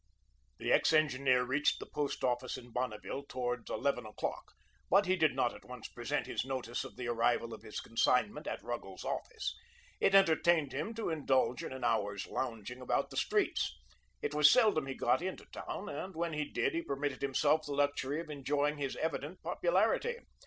The ex engineer reached the Post Office in Bonneville towards eleven o'clock, but he did not at once present his notice of the arrival of his consignment at Ruggles's office. It entertained him to indulge in an hour's lounging about the streets. It was seldom he got into town, and when he did he permitted himself the luxury of enjoying his evident popularity.